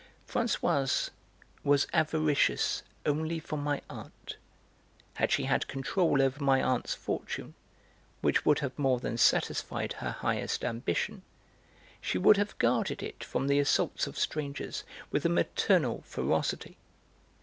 Françoise was avaricious only for my aunt; had she had control over my aunt's fortune (which would have more than satisfied her highest ambition) she would have guarded it from the assaults of strangers with a maternal ferocity.